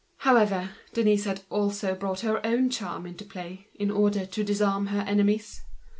But Denise had also brought all her charm into play in order to disarm her enemies.